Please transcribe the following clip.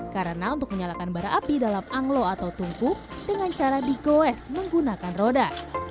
karena untuk menyalakan barang api dalam anglo atau tungku dengan cara digoes menggunakan roda